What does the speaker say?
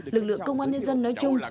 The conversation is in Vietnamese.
lực lượng công an nhân dân nói chung